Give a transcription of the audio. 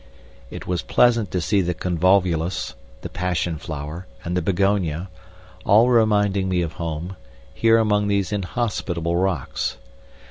It was pleasant to see the convolvulus, the passion flower, and the begonia, all reminding me of home, here among these inhospitable rocks.